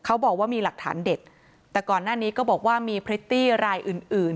เขาบอกว่ามีหลักฐานเด็ดแต่ก่อนหน้านี้ก็บอกว่ามีพริตตี้รายอื่นอื่น